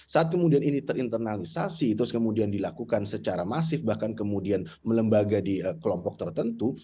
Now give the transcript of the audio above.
saat kemudian ini terinternalisasi terus kemudian dilakukan secara masif bahkan kemudian melembaga di kelompok tertentu